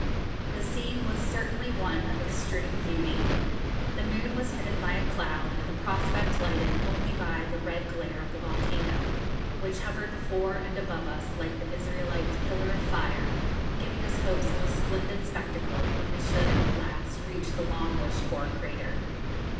The scene was certainly one of extreme beauty. The moon was hidden by a cloud, and the prospect lighted only by the red glare of the volcano, which hovered before and above us like the Israelites' pillar of fire, giving us hopes of a splendid spectacle when we should at last reach the long wished for crater.